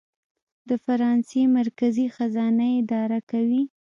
د فرانسې مرکزي خزانه یې اداره کوي.